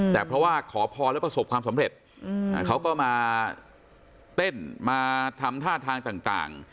แต่เพราะว่าขอพรแล้วประสบความสำเร็จเขาก็มาเต้นมาทำท่าทางต่าง